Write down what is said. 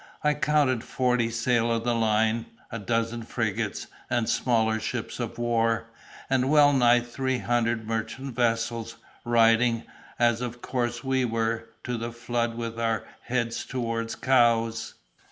I counted forty sail of the line, a dozen frigates and smaller ships of war, and well nigh three hundred merchant vessels, riding, as of course we were, to the flood with our heads towards Cowes.